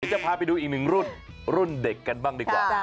จะพาไปดูอีกหนึ่งรุ่นรุ่นเด็กกันบ้างดีกว่า